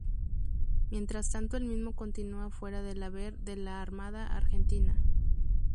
Mientras tanto el mismo continúa fuera del haber de la Armada Argentina.